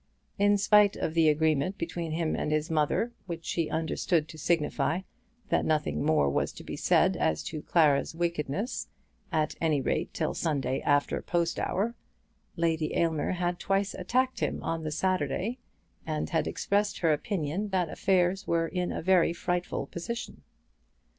In spite of the agreement between him and his mother, which he understood to signify that nothing more was to be said as to Clara's wickedness, at any rate till Sunday after post hour, Lady Aylmer had twice attacked him on the Saturday, and had expressed her opinion that affairs were in a very frightful position.